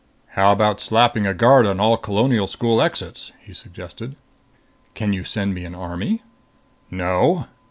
"How about slapping a guard on all Colonial school exits?" he suggested. "Can you send me an army?" "No."